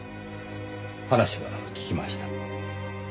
話は聞きました。